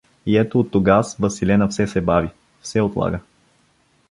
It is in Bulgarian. И ето оттогаз Василена все се бави, все отлага.